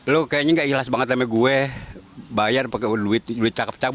lo kayaknya gak ilhas banget sama gue bayar pake duit duit cakep cakep